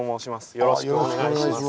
よろしくお願いします。